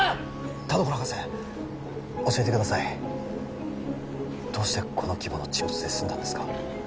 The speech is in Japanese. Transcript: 田所博士教えてくださいどうしてこの規模の沈没で済んだんですか？